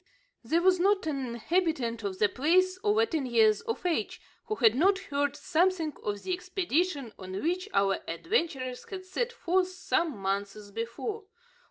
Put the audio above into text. There was not an inhabitant of the place over ten years of age who had not heard something of the expedition on which our adventurers had set forth some months before.